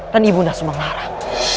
dan ibu ndasu mengharam